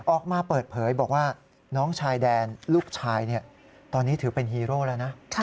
ออกมาเปิดเผยบอกว่าน้องชายแดนลูกชายตอนนี้ถือเป็นฮีโร่แล้วนะ